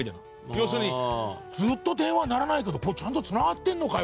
要するに「ずっと電話鳴らないけどこれちゃんと繋がってるのかよ」